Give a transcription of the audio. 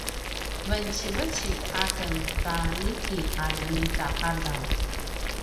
vencivecik a ken ta niki a ljemitaqadaw